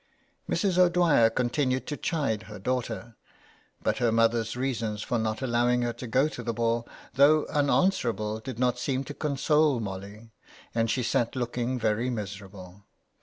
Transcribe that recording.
Mrs. O'Dwyer continued to chide her daughter ; but her mother's reasons for not allowing her to go to the ball, though unanswerable, did not seem to console Molly, and she sat looking very miserable.